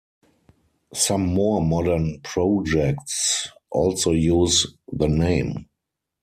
Some more modern projects also use the name.